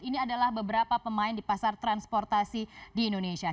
ini adalah beberapa pemain di pasar transportasi di indonesia